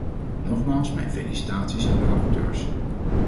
Nogmaals mijn felicitaties aan de rapporteurs.